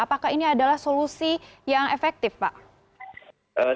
apakah ini adalah solusi yang efektif pak